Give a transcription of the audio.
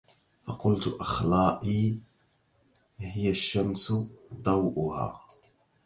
فقلت أخلائي هي الشمس ضوؤها